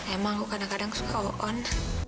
emang aku kadang kadang suka wakon